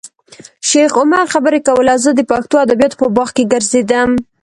شیخ عمر خبرې کولې او زه د پښتو ادبیاتو په باغ کې ګرځېدم.